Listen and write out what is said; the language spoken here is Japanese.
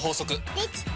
できた！